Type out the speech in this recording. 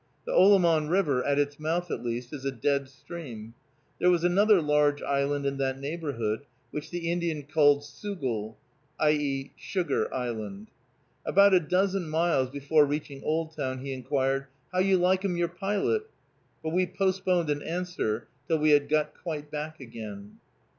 The Olamon River, at its mouth at least, is a dead stream. There was another large island in that neighborhood, which the Indian called "Soogle" (i. e., Sugar) Island. About a dozen miles before reaching Oldtown he inquired, "How you like 'em your pilot?" But we postponed an answer till we had got quite back again.